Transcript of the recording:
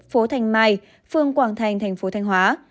phố thành mai phương quảng thành tp thanh hóa